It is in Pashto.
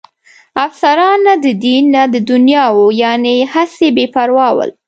افسران نه د دین نه د دنیا وو، یعنې هسې بې پروا ول.